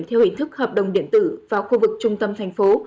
theo hình thức hợp đồng điện tử vào khu vực trung tâm thành phố